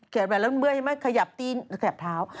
แขกแบบแล้วเมื่อยังไหมขยับตีนขยับเท้า